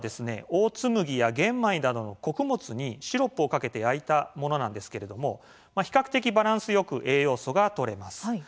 オーツ麦や玄米などの穀物にシロップをかけて焼いたものなんですけれども比較的バランスよく栄養素がとれます。